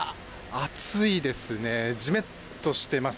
暑いですねじめっとしてます。